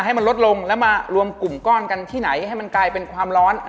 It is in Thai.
ให้มันลดลงแล้วมารวมกลุ่มก้อนกันที่ไหนให้มันกลายเป็นความร้อน